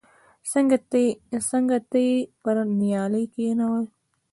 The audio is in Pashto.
څنگ ته يې پر نيالۍ کښېښوه.